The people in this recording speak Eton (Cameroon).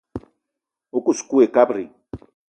O kous kou ayi kabdi.